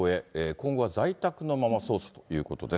今後は在宅のまま捜査ということです。